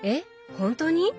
本当に？